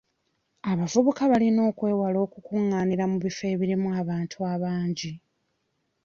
Abavubuka balina okwewala okukunganira mu bifo ebirimu abantu abangi.